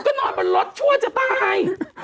พี่หนุ่มก็นอนวันรถชั่วจะตาย